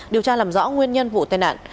điều tra làm rõ nguyên nhân vụ tai nạn